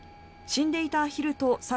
死んでいたアヒルと殺